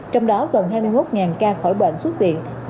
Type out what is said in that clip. trong đó gần hai mươi một ca khỏi bệnh xuất viện